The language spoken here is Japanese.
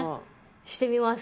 してみます。